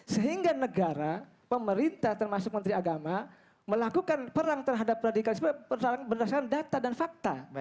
sehingga negara pemerintah termasuk menteri agama melakukan perang terhadap radikalisme berdasarkan data dan fakta